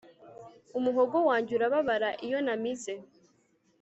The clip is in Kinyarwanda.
umuhogo wanjye urababara iyo namize